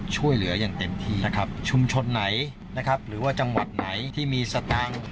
ช่วยเหลืออย่างเต็มที่นะครับชุมชนไหนนะครับหรือว่าจังหวัดไหนที่มีสตางค์